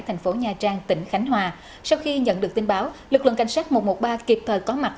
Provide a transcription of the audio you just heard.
thành phố nha trang tỉnh khánh hòa sau khi nhận được tin báo lực lượng cảnh sát một trăm một mươi ba kịp thời có mặt